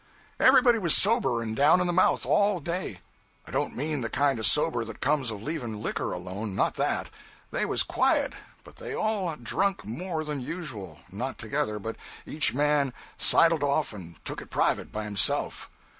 'Everybody was sober and down in the mouth all day. I don't mean the kind of sober that comes of leaving liquor alone not that. They was quiet, but they all drunk more than usual not together but each man sidled off and took it private, by himself.